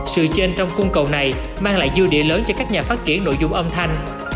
sự trên trong cung cầu này mang lại dư địa lớn cho các nhà phát triển nội dung âm thanh